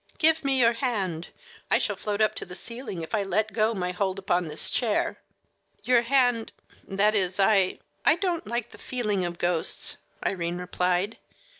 "Give me your hand. I shall float up to the ceiling if I let go my hold upon this chair." "Your hand that is, I I don't like the feeling of ghosts," Irene replied.